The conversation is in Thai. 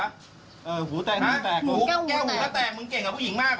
แก้วหูแล้วแตกมึงเก่งกับผู้หญิงมากหรือ